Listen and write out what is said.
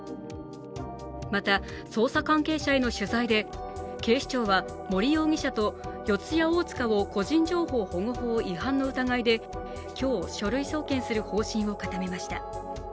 また、捜査関係者への取材で警視庁は森容疑者と四谷大塚を個人情報保護法違反の疑いで今日、書類送検する方針を固めました。